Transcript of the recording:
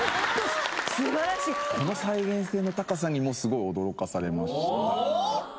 この再現性の高さにすごい驚かされました。